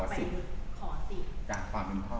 มาเป็นพ่อ